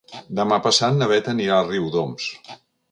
Demà passat na Beth anirà a Riudoms.